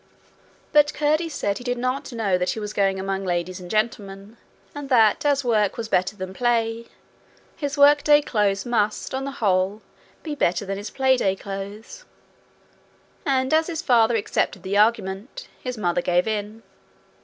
But Curdie said he did not know that he was going among ladies and gentlemen, and that as work was better than play, his workday clothes must on the whole be better than his playday Clothes; and as his father accepted the argument, his mother gave in.